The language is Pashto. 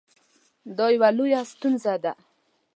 دا یوه لویه ستونزه ده